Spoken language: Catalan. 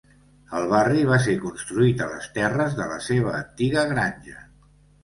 El barri va ser construït a les terres de la seva antiga granja.